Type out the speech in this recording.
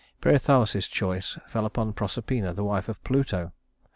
Pirithous's choice fell upon Proserpina, the wife of Pluto.